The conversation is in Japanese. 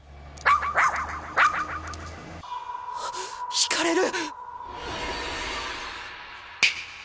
ひかれる！